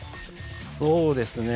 そうですね。